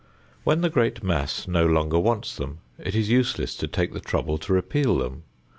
When the great mass no longer wants them, it is useless to take the trouble to repeal them.